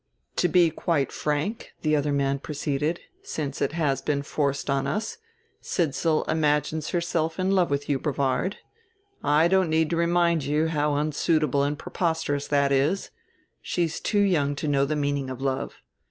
"To be quite frank," the other man proceeded, "since it has been forced on us, Sidsall imagines herself in love with you, Brevard. I don't need to remind you how unsuitable and preposterous that is. She's too young to know the meaning of love.